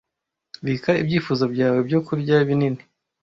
Bika ibyifuzo byawe byo kurya binini.